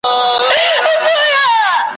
سره غاټول دي که زخمي ټوله عسکر